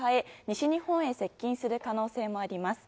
西日本へ接近する可能性もあります。